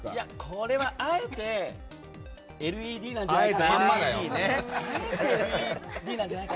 これはあえてＬＥＤじゃないかな？